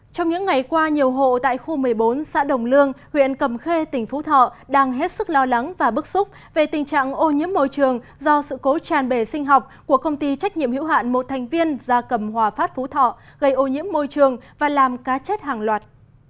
trong những ngày qua nhiều hộ tại khu một mươi bốn xã đồng lương huyện cầm khê tỉnh phú thọ đang hết sức lo lắng và bức xúc về tình trạng ô nhiễm môi trường do sự cố tràn bề sinh học của công ty trách nhiệm hữu hạn một thành viên ra cầm hòa phát phú thọ gây ô nhiễm môi trường và làm cá chết hàng loạt